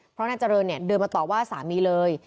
เพราะนายเจริญเนี่ยเดินมาต่อว่าสามีเลย